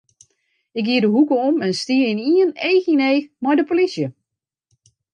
Ik gie de hoeke om en stie ynienen each yn each mei in polysje.